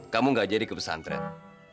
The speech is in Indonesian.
kamu gak jadi ke pesantren